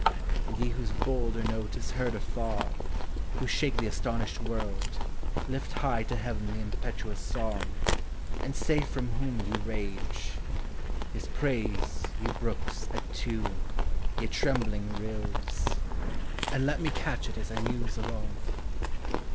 And ye whose bolder note is heard afar, Who shake the astonished world, lift high to Heaven The impetuous song, and say from who* >'•' rage. .,,,. His praise, ye brooks, attune, ye trembling rills, And let me catch ii us l muse along.